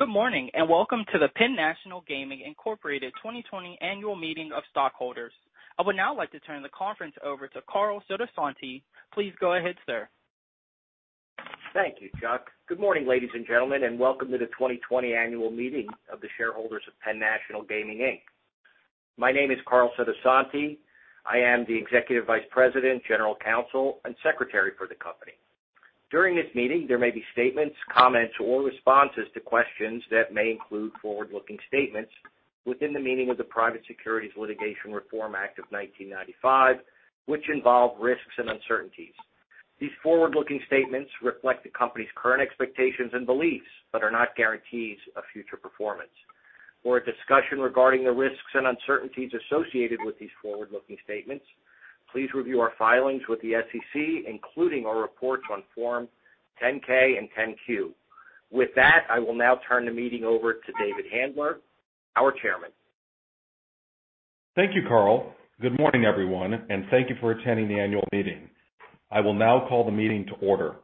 Good morning, and welcome to the Penn National Gaming, Inc. 2020 annual meeting of stockholders. I would now like to turn the conference over to Carl Sottosanti. Please go ahead, sir. Thank you, Chuck. Good morning, ladies and gentlemen, and welcome to the 2020 annual meeting of the shareholders of Penn National Gaming, Inc. My name is Carl Sottosanti. I am the Executive Vice President, General Counsel, and Secretary for the company. During this meeting, there may be statements, comments, or responses to questions that may include forward-looking statements within the meaning of the Private Securities Litigation Reform Act of 1995, which involve risks and uncertainties. These forward-looking statements reflect the company's current expectations and beliefs but are not guarantees of future performance. For a discussion regarding the risks and uncertainties associated with these forward-looking statements, please review our filings with the SEC, including our reports on Form 10-K and 10-Q. With that, I will now turn the meeting over to David Handler, our chairman. Thank you, Carl. Good morning, everyone, and thank you for attending the annual meeting. I will now call the meeting to order.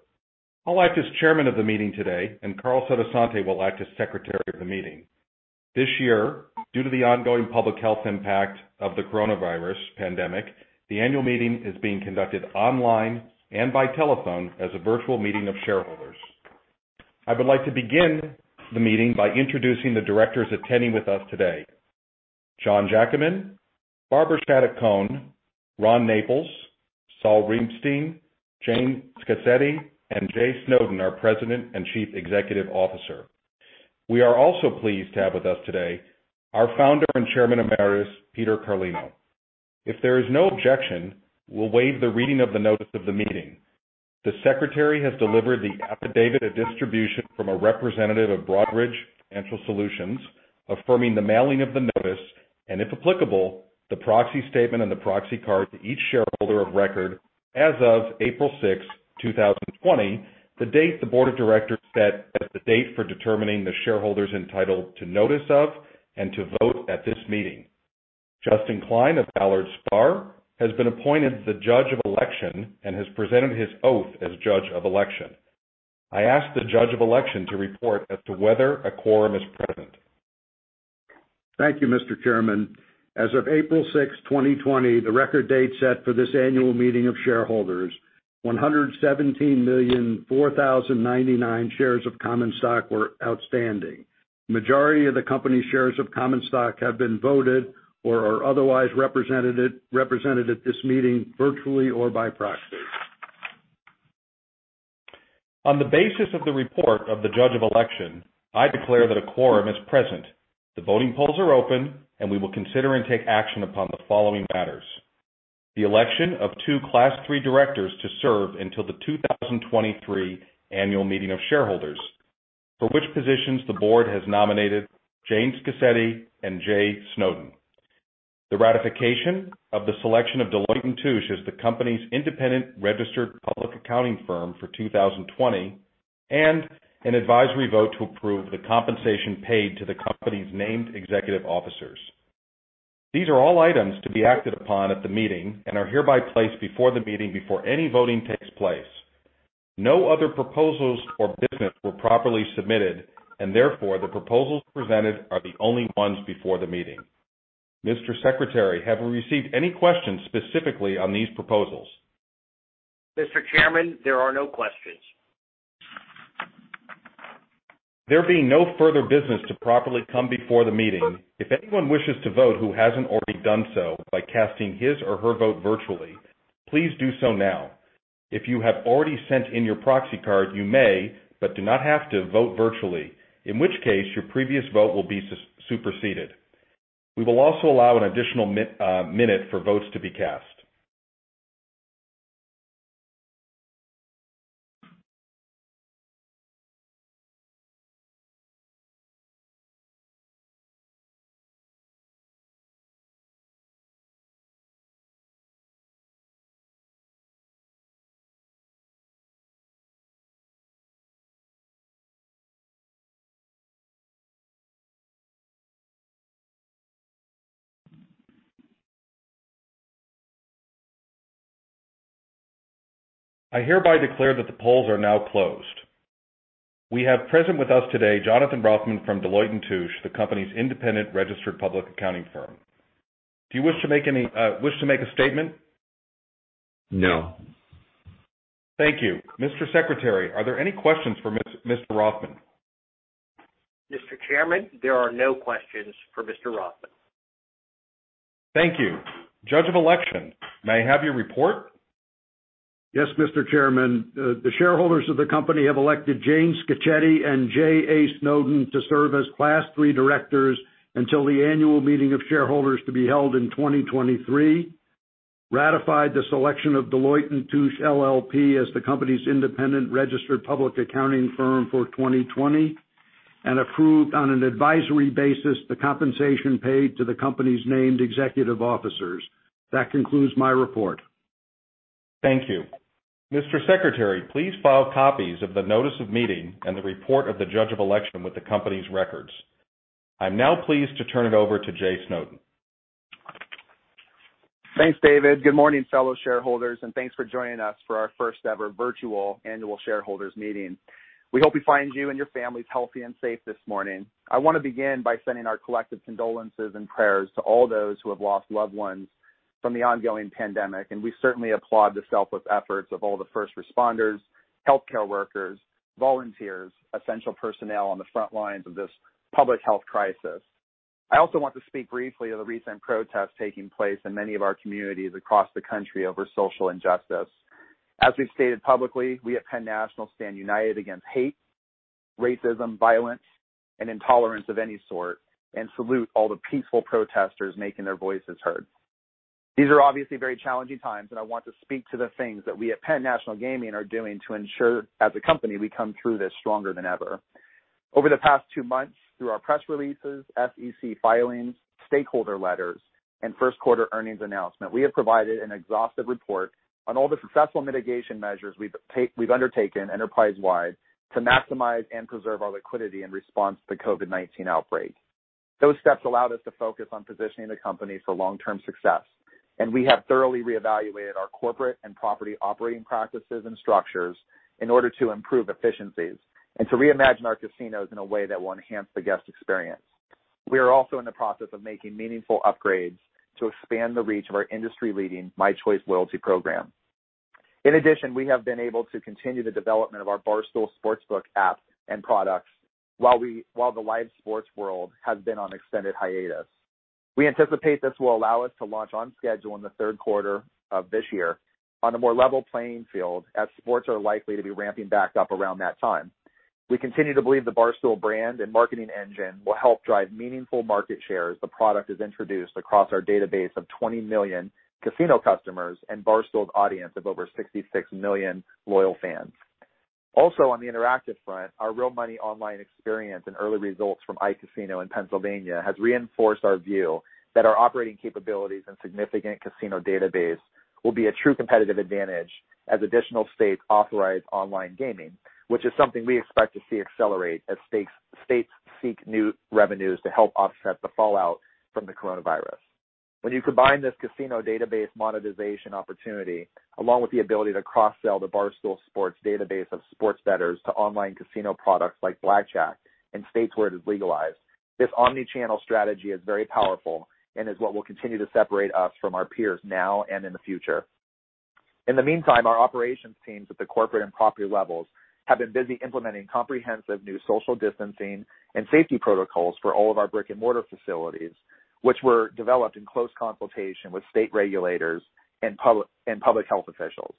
I'll act as chairman of the meeting today, and Carl Sottosanti will act as secretary of the meeting. This year, due to the ongoing public health impact of the coronavirus pandemic, the annual meeting is being conducted online and by telephone as a virtual meeting of shareholders. I would like to begin the meeting by introducing the Directors attending with us today, John Jacquemin, Barbara Shattuck Kohn, Ron Naples, Saul Reibstein, Jane Scaccetti, and Jay Snowden, our President and Chief Executive Officer. We are also pleased to have with us today our founder and Chairman Emeritus, Peter Carlino. If there is no objection, we'll waive the reading of the notice of the meeting. The secretary has delivered the affidavit of distribution from a representative of Broadridge Financial Solutions, affirming the mailing of the notice, and, if applicable, the proxy statement and the proxy card to each shareholder of record as of April 6th, 2020, the date the Board of Directors set as the date for determining the shareholders entitled to notice of and to vote at this meeting. Justin Klein of Ballard Spahr has been appointed the Judge of Election and has presented his oath as Judge of Election. I ask the Judge of Election to report as to whether a quorum is present. Thank you, Mr. Chairman. As of April 6th, 2020, the record date set for this annual meeting of shareholders, 117,004,099 shares of common stock were outstanding. The majority of the company's shares of common stock have been voted or are otherwise represented at this meeting virtually or by proxy. On the basis of the report of the Judge of Election, I declare that a quorum is present. The voting polls are open, and we will consider and take action upon the following matters: the election of two Class III directors to serve until the 2023 annual meeting of shareholders, for which positions the board has nominated Jane Scaccetti and Jay Snowden, the ratification of the selection of Deloitte & Touche as the company's independent registered public accounting firm for 2020, and an advisory vote to approve the compensation paid to the company's named executive officers. These are all items to be acted upon at the meeting and are hereby placed before the meeting before any voting takes place. No other proposals or business were properly submitted, and therefore, the proposals presented are the only ones before the meeting. Mr. Secretary, have we received any questions specifically on these proposals? Mr. Chairman, there are no questions. There being no further business to properly come before the meeting, if anyone wishes to vote who hasn't already done so by casting his or her vote virtually, please do so now. If you have already sent in your proxy card, you may, but do not have to, vote virtually, in which case, your previous vote will be superseded. We will also allow an additional minute for votes to be cast. I hereby declare that the polls are now closed. We have present with us today Jonathan Rothman from Deloitte & Touche, the company's independent registered public accounting firm. Do you wish to make a statement? No. Thank you. Mr. Secretary, are there any questions for Mr. Rothman? Mr. Chairman, there are no questions for Mr. Rothman. Thank you. Judge of Election, may I have your report? Yes, Mr. Chairman. The shareholders of the company have elected Jane Scaccetti and Jay Snowden to serve as Class III directors until the annual meeting of shareholders to be held in 2023, ratified the selection of Deloitte & Touche LLP as the company's independent registered public accounting firm for 2020, and approved, on an advisory basis, the compensation paid to the company's named executive officers. That concludes my report. Thank you. Mr. Secretary, please file copies of the notice of meeting and the report of the Judge of Election with the company's records. I'm now pleased to turn it over to Jay Snowden. Thanks, David. Good morning, fellow shareholders, and thanks for joining us for our first ever virtual annual shareholders meeting. We hope we find you and your families healthy and safe this morning. I want to begin by sending our collective condolences and prayers to all those who have lost loved ones from the ongoing pandemic, and we certainly applaud the selfless efforts of all the first responders, healthcare workers, volunteers, essential personnel on the front lines of this public health crisis. I also want to speak briefly of the recent protests taking place in many of our communities across the country over social injustice. As we've stated publicly, we at PENN Entertainment stand united against hate, racism, violence, and intolerance of any sort, and salute all the peaceful protesters making their voices heard. These are obviously very challenging times, and I want to speak to the things that we at PENN National Gaming are doing to ensure, as a company, we come through this stronger than ever. Over the past two months, through our press releases, SEC filings, stakeholder letters, and first quarter earnings announcement, we have provided an exhaustive report on all the successful mitigation measures we've undertaken enterprise-wide to maximize and preserve our liquidity in response to the COVID-19 outbreak. Those steps allowed us to focus on positioning the company for long-term success, and we have thoroughly reevaluated our corporate and property operating practices and structures in order to improve efficiencies and to reimagine our casinos in a way that will enhance the guest experience. We are also in the process of making meaningful upgrades to expand the reach of our industry-leading mychoice loyalty program. In addition, we have been able to continue the development of our Barstool Sportsbook app and products while the live sports world has been on extended hiatus. We anticipate this will allow us to launch on schedule in the third quarter of this year on a more level playing field, as sports are likely to be ramping back up around that time. We continue to believe the Barstool brand and marketing engine will help drive meaningful market share as the product is introduced across our database of 20 million casino customers and Barstool's audience of over 66 million loyal fans. On the interactive front, our real money online experience and early results from iCasino in Pennsylvania has reinforced our view that our operating capabilities and significant casino database will be a true competitive advantage as additional states authorize online gaming, which is something we expect to see accelerate as states seek new revenues to help offset the fallout from the COVID-19. When you combine this casino database monetization opportunity, along with the ability to cross-sell the Barstool sports database of sports bettors to online casino products like blackjack in states where it is legalized, this omni-channel strategy is very powerful and is what will continue to separate us from our peers now and in the future. In the meantime, our operations teams at the corporate and property levels have been busy implementing comprehensive new social distancing and safety protocols for all of our brick-and-mortar facilities, which were developed in close consultation with state regulators and public health officials.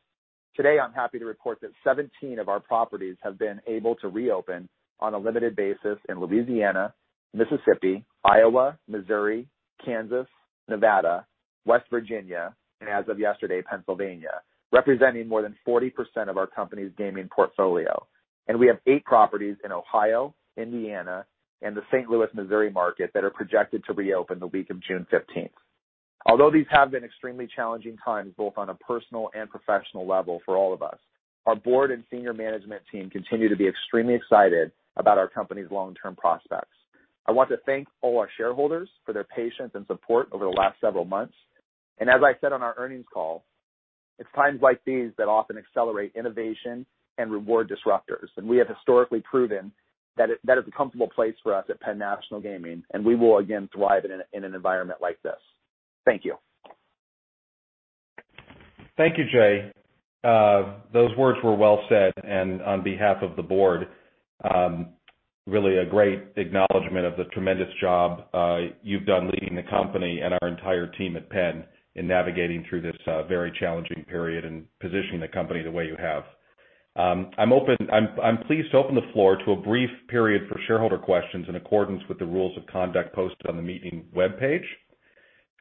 Today, I'm happy to report that 17 of our properties have been able to reopen on a limited basis in Louisiana, Mississippi, Iowa, Missouri, Kansas, Nevada, West Virginia, and as of yesterday, Pennsylvania, representing more than 40% of our company's gaming portfolio. We have eight properties in Ohio, Indiana, and the St. Louis, Missouri market that are projected to reopen the week of June 15th. Although these have been extremely challenging times, both on a personal and professional level for all of us, our board and senior management team continue to be extremely excited about our company's long-term prospects. I want to thank all our shareholders for their patience and support over the last several months. As I said on our earnings call, it's times like these that often accelerate innovation and reward disruptors. We have historically proven that it's a comfortable place for us at Penn National Gaming, and we will again thrive in an environment like this. Thank you. Thank you, Jay. Those words were well said, on behalf of the board, really a great acknowledgment of the tremendous job you've done leading the company and our entire team at Penn in navigating through this very challenging period and positioning the company the way you have. I'm pleased to open the floor to a brief period for shareholder questions in accordance with the rules of conduct posted on the meeting webpage.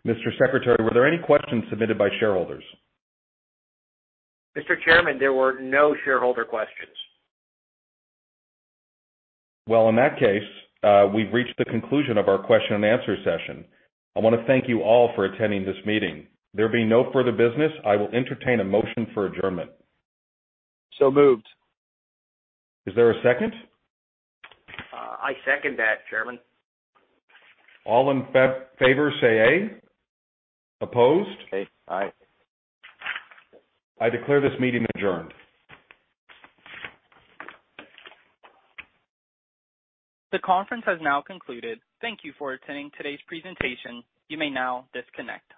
Mr. Secretary, were there any questions submitted by shareholders? Mr. Chairman, there were no shareholder questions. In that case, we've reached the conclusion of our question and answer session. I want to thank you all for attending this meeting. There being no further business, I will entertain a motion for adjournment. Moved. Is there a second? I second that, Chairman. All in favor, say A. Opposed? Aye. I declare this meeting adjourned. The conference has now concluded. Thank you for attending today's presentation. You may now disconnect.